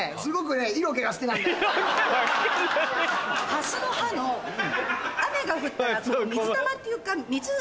ハスの葉の雨が降ったら水玉っていうか水しずく？